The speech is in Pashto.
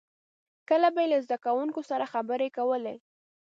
• کله به یې له زدهکوونکو سره خبرې کولې.